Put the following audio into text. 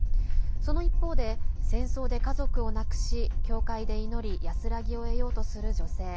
その一方で、戦争で家族を亡くし教会で祈り安らぎを得ようとする女性。